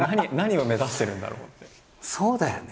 そうだよね。